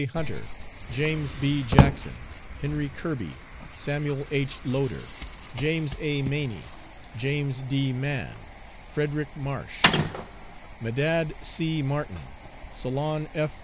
Hunter, James B. Jackson, Henry Kirby, Samuel H. Loder, James A. Maney, James D. Mann, Frederick Marsh, Medad C. Martin, Solon F.